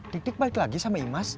ketik balik lagi sama imaz